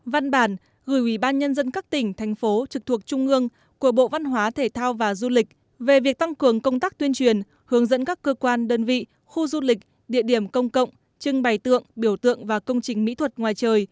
văn bản gửi ủy ban nhân dân các tỉnh thành phố trực thuộc trung ương của bộ văn hóa thể thao và du lịch về việc tăng cường công tác tuyên truyền hướng dẫn các cơ quan đơn vị khu du lịch địa điểm công cộng trưng bày tượng biểu tượng và công trình mỹ thuật ngoài trời